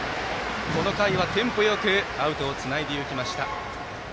この回はテンポよくアウトをつないでいきました。